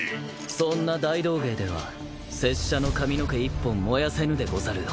そんな大道芸では拙者の髪の毛一本燃やせぬでござるよ。